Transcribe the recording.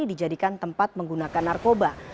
dijadikan tempat menggunakan narkoba